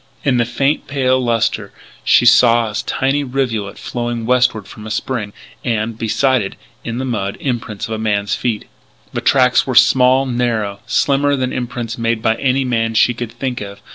In the faint, pale lustre she saw a tiny rivulet flowing westward from a spring, and, beside it, in the mud, imprints of a man's feet. The tracks were small, narrow, slimmer than imprints made by any man she could think of.